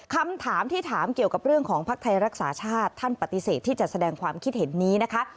คำถามที่ถามเกี่ยวกับเรื่องของภักดิ์ไทยรักษาชาติท่านปฏิเสธที่จะแสดงความคิดเห็นนี้นะคะ